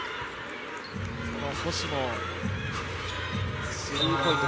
この星も、スリーポイント